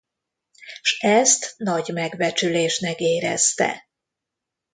S ezt nagy megbecsülésnek érezte.